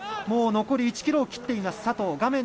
もう残り１ｋｍを切っている佐藤。